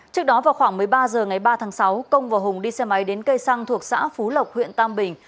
trước đó vào khoảng một mươi ba h ngày ba tháng sáu công và hùng đi xe máy đến cây xăng thuộc xã phú lộc huyện tam bình